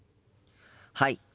はい。